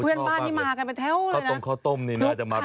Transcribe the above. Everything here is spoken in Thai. เพื่อนบ้านนี่มากันไปแท้วเลยนะทอดต้มนี่น่าจะมาเป็น